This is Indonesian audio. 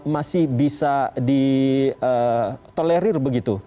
masih bisa ditolerir begitu